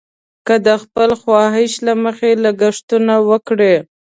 که د خپل خواهش له مخې لګښتونه وکړي.